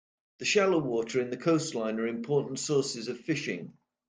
The shallow water in the coastline are important sources of fishing.